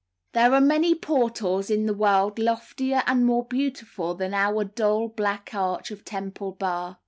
There are many portals in the world loftier and more beautiful than our dull, black arch of Temple Bar.